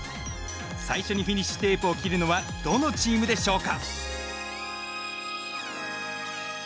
最初にフィニッシュテープを切るのはどのチームでしょうか。